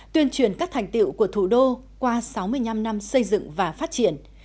tuyên truyền các thành tiệu của thủ đô qua sáu mươi năm năm xây dựng và phát triển